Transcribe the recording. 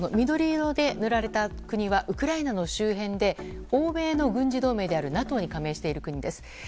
緑色で塗られた国はウクライナの周辺で欧米の軍事同盟であるＮＡＴＯに加盟している国です。